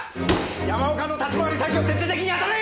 山岡の立ち回り先を徹底的に当たれ！